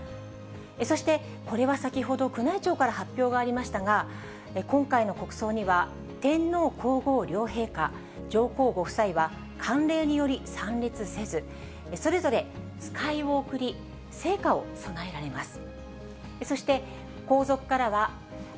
そしてこれは先ほど宮内庁から発表がありましたが、今回の国葬には、天皇皇后両陛下、上皇ご夫妻は慣例により参列せず、それぞれ使いを送り、せいかを供えられます。